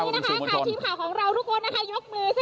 ตอนนี้ทีมข่าวของเราก็ขออนุญาตยกมือนะคะ